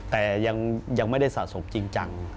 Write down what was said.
แต่ยังไม่ได้สะสมจริงจัง